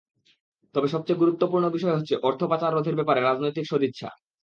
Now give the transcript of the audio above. তবে সবচেয়ে গুরুত্বপূর্ণ বিষয় হচ্ছে, অর্থ পাচার রোধের ব্যাপারে রাজনৈতিক সদিচ্ছা।